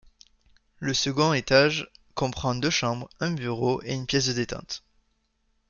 Le second étage comprend deux chambres, un bureau et une pièce de détente.